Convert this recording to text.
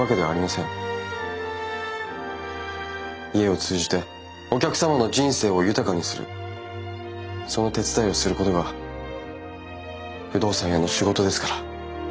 家を通じてお客様の人生を豊かにするその手伝いをすることが不動産屋の仕事ですから。